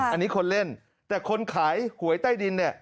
อันนี้คนเล่นแต่คนขายหวยใต้ดินเนี่ย